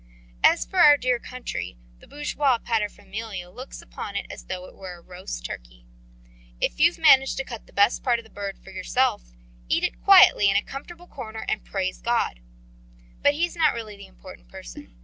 As for our dear country, the bourgeois paterfamilias looks upon it as though it were a roast turkey. If you've managed to cut the best part of the bird for yourself, eat it quietly in a comfortable corner and praise God. But he's not really the important person.